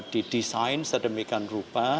di desain sedemikian rupa